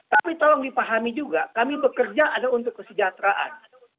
tapi tolong dipahami juga kami bekerja ada untuk kesejahteraan